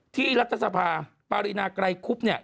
ที่รัฐสภาพรรณาไกรคุบเนี่ย